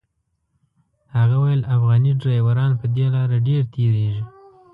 هغه ویل افغاني ډریوران په دې لاره ډېر تېرېږي.